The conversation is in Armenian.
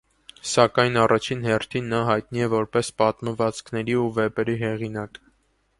Սակայն առաջին հերթին նա հայտնի է որպես պատմվածքների ու վեպերի հեղինակ։